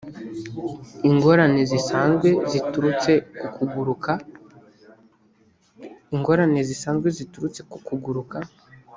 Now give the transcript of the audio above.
ingorane zisanzwe ziturutse ku kuguruka